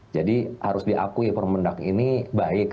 jadi harus diakui permendag ini baik